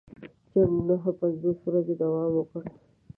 جنګ نهه پنځوس ورځې دوام وکړ.